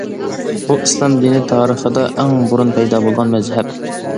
بۇ ئىسلام دىنى تارىخىدا ئەڭ بۇرۇن پەيدا بولغان مەزھەپ.